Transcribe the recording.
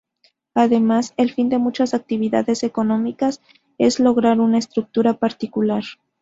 Además, el fin de muchas actividades económicas es lograr una estructura particular.